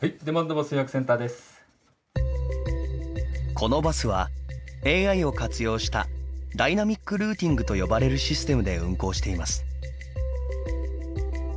このバスはＡＩを活用したダイナミックルーティングと呼ばれるシステムで運行しています。